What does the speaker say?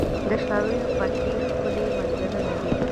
د شالیو پټي ښکلې منظره لري.